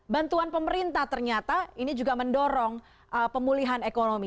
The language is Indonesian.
bantuan pemerintah ternyata ini juga mendorong pemulihan ekonomi